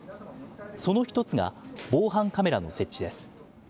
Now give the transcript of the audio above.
その一つが防犯カメラの設置です。